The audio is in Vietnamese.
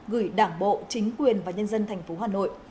gửi đảng bộ chính quyền và nhân dân tp hà nội